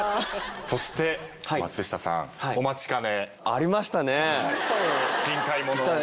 そして松下さんお待ちかね。